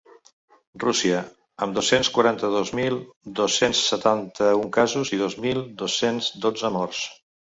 Rússia, amb dos-cents quaranta-dos mil dos-cents setanta-un casos i dos mil dos-cents dotze morts.